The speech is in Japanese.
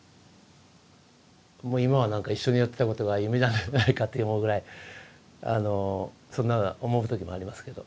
もう今はなんか一緒にやってたことが夢じゃないかって思うぐらいあのそんな思う時もありますけど。